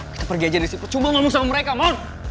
kita pergi aja dari sini cuma ngomong sama mereka mon